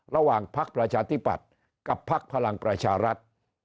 ระหว่างพักประชาธิบัติกับพักพลังประชารัฐ